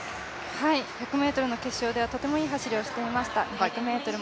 １００ｍの決勝ではとてもいい走りをしていました。